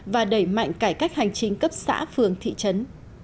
và đẩy mạnh cải cách hành chính cấp xã phường thị trấn